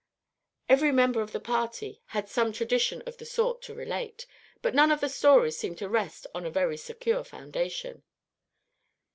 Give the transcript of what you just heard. Every member of the party had some tradition of the sort to relate; but none of the stories seemed to rest on a very secure foundation.